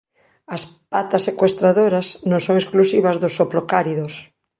As "patas secuestradoras" non son exclusivas dos hoplocáridos.